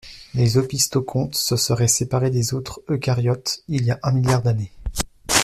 Les opisthocontes se seraient séparés des autres eucaryotes il y a un milliard d'années.